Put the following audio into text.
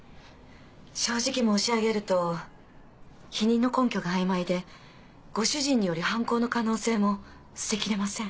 正直申し上げると否認の根拠が曖昧でご主人による犯行の可能性も捨てきれません。